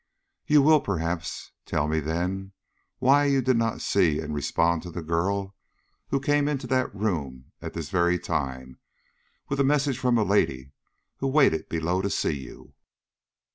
"You will, perhaps, tell me, then, why you did not see and respond to the girl who came into that room at this very time, with a message from a lady who waited below to see you?"